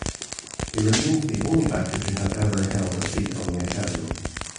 He remains the only actor to have ever held a seat on the Academy.